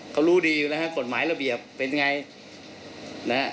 เขารู้ดีอยู่แล้วฮะกฎหมายระเบียบเป็นไงนะฮะ